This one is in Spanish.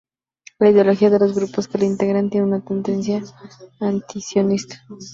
La ideología de los grupos que la integran tiene una tendencia antisionista.